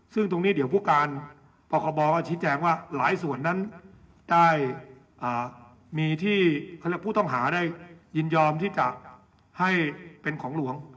ซึ่งตรงนี้เดี๋ยวผู้การปคบก็ชี้แจงว่าหลายส่วนนั้นได้มีที่เขาเรียกผู้ต้องหาได้ยินยอมที่จะให้เป็นของหลวง